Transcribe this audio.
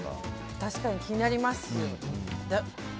確かに気になりますよね。